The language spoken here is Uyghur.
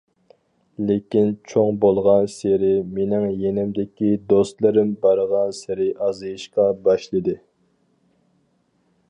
لېكىن چوڭ بولغانسېرى، مېنىڭ يېنىمدىكى دوستلىرىم بارغانسېرى ئازىيىشقا باشلىدى.